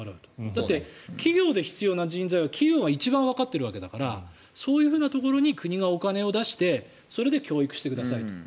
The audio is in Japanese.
だって、企業で必要な人材は企業が一番わかっているわけだからそういうふうなところに国がお金を出してそれで教育してくださいと。